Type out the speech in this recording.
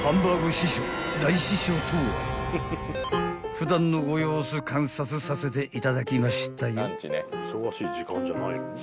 ［普段のご様子観察させていただきましたよ］